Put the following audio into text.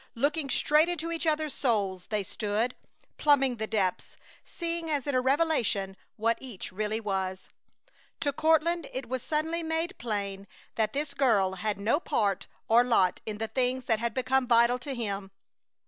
Looking straight into each other's souls they stood, plumbing the depths, seeing as in a revelation what each really was! To Courtland it was suddenly made plain that this girl had no part or lot in the things that had become vital to him.